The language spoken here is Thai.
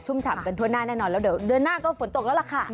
ฉ่ำกันทั่วหน้าแน่นอนแล้วเดี๋ยวเดือนหน้าก็ฝนตกแล้วล่ะค่ะ